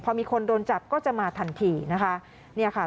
พอมีคนโดนจับก็จะมาทันทีนะคะ